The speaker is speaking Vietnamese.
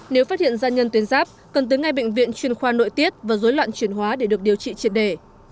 nếu phát hiện gia nhân tuyến giáp cần tới ngay bệnh viện chuyên khoa nội tiết và dối loạn chuyển hóa để được điều trị triệt đề